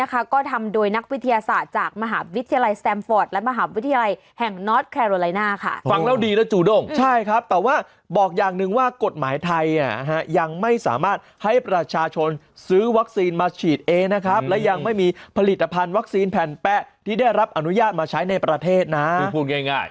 ก็ต้องมีการปรับก็คือซื้อให้น้อยลง